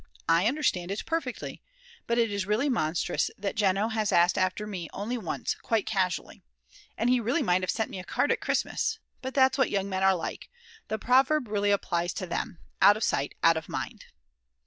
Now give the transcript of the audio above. I understand it perfectly. But it is really monstrous that Jeno has asked after me only once, quite casually. And he really might have sent me a card at Christmas. But that's what young men are like. The proverb really applies to them: Out of sight out of mind.